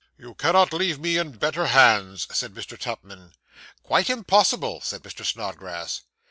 'You cannot leave me in better hands,' said Mr. Tupman. 'Quite impossible,' said Mr. Snodgrass.